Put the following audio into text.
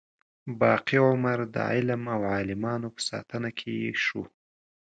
باقي عمر د علم او عالمانو په ساتنه کې شو.